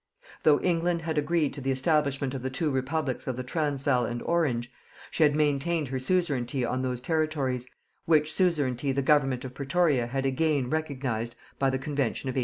Though England had agreed to the establishment of the two Republics of the Transvaal and Orange, she had maintained her suzerainty on those territories, which suzerainty the Government of Pretoria had again recognized by the Convention of 1884.